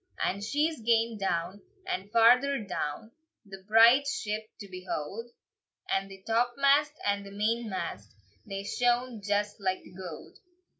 And she's gane down, and farther down, The bride's ship to behold, And the topmast and the mainmast They shone just like the gold.